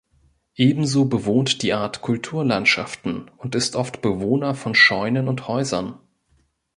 Ebenso bewohnt die Art Kulturlandschaften und ist oft Bewohner von Scheunen und Häusern.